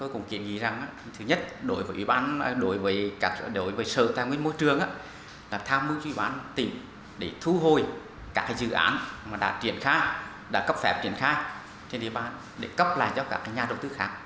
các nhà đầu tư đã thu hồi các dự án đã cấp phép triển khai trên địa bàn để cấp lại cho các nhà đầu tư khác